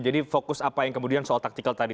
jadi fokus apa yang kemudian soal taktikal tadi